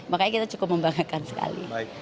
makanya kita cukup membanggakan sekali